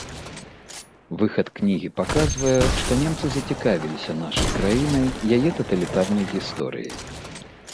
Выхад кнігі паказвае, што немцы зацікавіліся нашай краінай, яе таталітарнай гісторыяй.